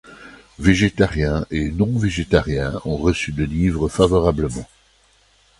Végétariens et non-végétariens ont reçu le livre favorablement.